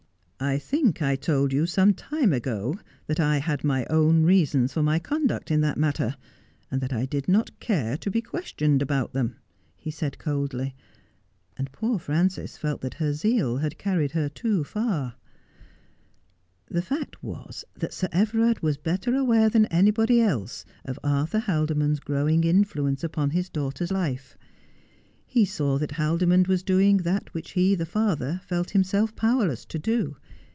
' I think I told you some time ago that I had my own reasons for my conduct in that matter, and that I did not care to be questioned about them,' he said coldly, and poor Frances felt that her zeal had carried her too far. The fact was that Sir Everard was better aware than any body else of Arthur Haldimond's growing influence upon his daughter's life. He saw that Haldimond was doing that which he the father felt himself powerless to do.